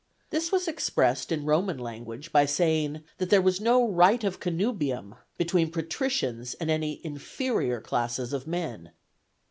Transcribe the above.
This was expressed in Roman language by saying, that there was no "Right of Connubium" between patricians and any inferior classes of men.